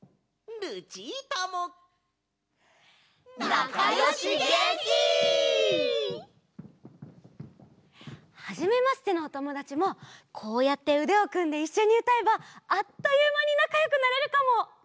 なかよしげんき！はじめましてのおともだちもこうやってうでをくんでいっしょにうたえばあっというまになかよくなれるかも！